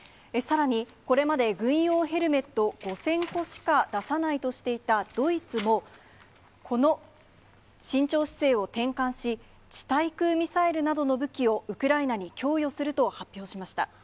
さらにこれまで、軍用ヘルメット５０００個しか出さないとしていたドイツも、この慎重姿勢を転換し、地対空ミサイルなどの武器をウクライナに供与すると発表しました。